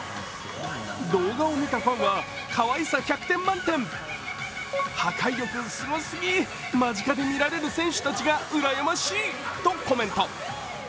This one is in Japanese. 動画を見たファンはかわいさ１００点満点、破壊力すごすぎ、間近で見られる選手たちがうらやましいとコメント。